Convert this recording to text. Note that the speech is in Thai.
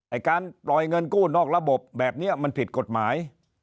ไอ้การปล่อยเงินกู้นอกระบบแบบนี้มันผิดกฎหมาย